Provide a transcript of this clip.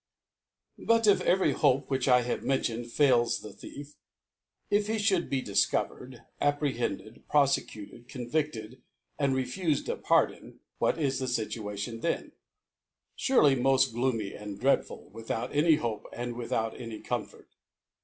PU T if every Hope ^rhich I have men i tioned fails the Thief : If iie fhould difcovercd, apprehended, profecutcd, cdnvifted, and refufed a Pardon ; what is his Situation then? Surely moft gloomy and dreadful, without any Hope, and with out any Comfort.